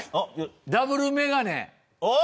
ダブルメガネ。